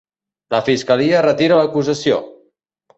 La fiscalia retira l'acusació!